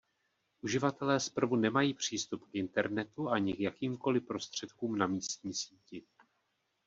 Uživatelé zprvu nemají přístup k Internetu ani k jakýmkoli prostředkům na místní síti.